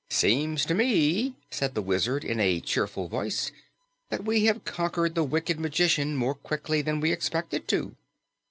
"Seems to me," said the Wizard in a cheerful voice, "that we have conquered the wicked magician more quickly than we expected to."